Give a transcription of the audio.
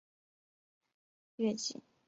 腺萼越桔为杜鹃花科越桔属下的一个种。